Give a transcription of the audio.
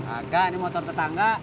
agak ini motor tetangga